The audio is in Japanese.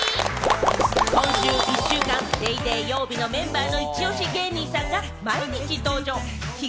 今週１週間『ＤａｙＤａｙ．』曜日メンバーのイチオシ芸人さんが毎日登場。